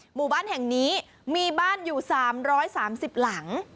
หมู่บ้านแห่งนี้มีบ้านอยู่๓๓๐หลัง